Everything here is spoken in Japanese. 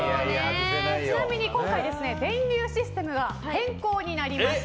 ちなみに今回、電流システムが変更になりました。